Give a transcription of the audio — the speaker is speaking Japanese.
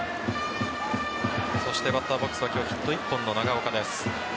バッターボックスは今日ヒット１本の長岡です。